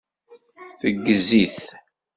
Teggez-it.